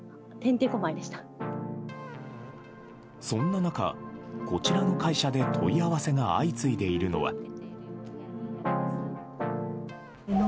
そんな中、こちらの会社で問い合わせが相次いでいるのは。